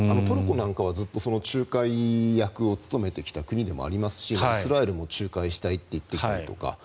トルコなんかは仲介役を務めてきた国でもありますしイスラエルも仲介したいと言ってきたりとか。